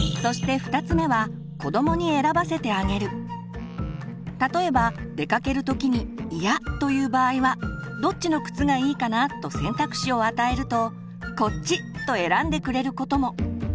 そして例えば出かける時に「イヤ！」という場合は「どっちの靴がいいかな？」と選択肢を与えると「こっち！」と選んでくれることも。